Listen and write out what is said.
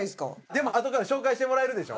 でもあとから紹介してもらえるでしょ？